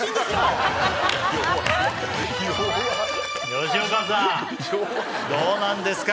吉岡さんどうなんですか？